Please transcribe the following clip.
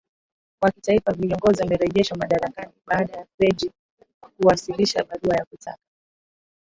wa kitaifa viongozi wamerejeshwa madarakani baada ya freji kuwasilisha barua ya kutaka